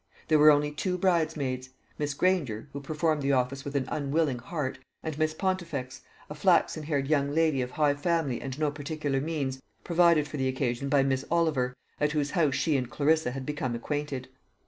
There were only two bridesmaids Miss Granger, who performed the office with an unwilling heart; and Miss Pontifex, a flaxen haired young lady of high family and no particular means, provided for the occasion by Mrs. Oliver, at whose house she and Clarissa had become acquainted.